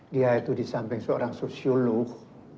dia itu disamping seorang sosiolog